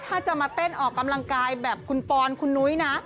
ถ้าจะมาเต้นออกกำลังกายแบบคุณปอนคุณนุ้ยนะ